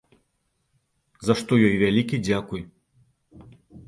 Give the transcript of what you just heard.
За што ёй вялікі дзякуй.